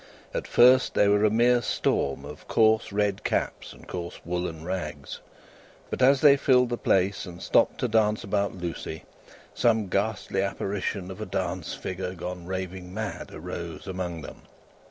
At first, they were a mere storm of coarse red caps and coarse woollen rags; but, as they filled the place, and stopped to dance about Lucie, some ghastly apparition of a dance figure gone raving mad arose among them.